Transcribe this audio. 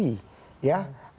di lingkungan pak jokowi